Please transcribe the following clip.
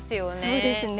そうですね。